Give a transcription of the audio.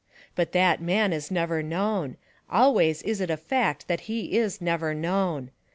But that man is never known ; always is it a fact that he is never known.